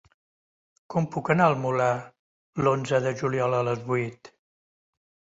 Com puc anar al Molar l'onze de juliol a les vuit?